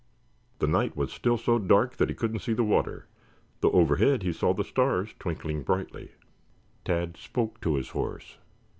The night was still so dark that he could not see the water, though overhead he saw the stars twinkling brightly. Tad spoke to his horse.